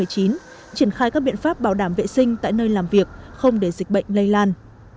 triển khai các biện pháp bảo đảm vệ sinh tại nơi làm việc không để dịch bệnh lây lan